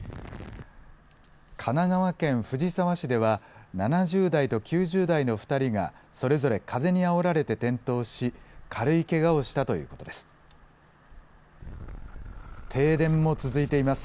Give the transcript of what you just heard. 神奈川県藤沢市では、７０代と９０代の２人が、それぞれ風にあおられて転倒し、軽いけがをしたということです。